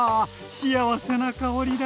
幸せな香りだ。